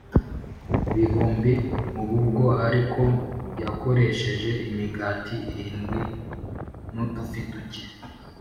bihumbi Ubu bwo ariko yakoresheje imigati irindwi n udufi duke